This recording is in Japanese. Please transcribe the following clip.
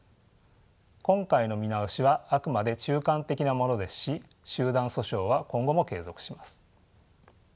今回の見直しはあくまで中間的なものですし集団訴訟は今後も継続します。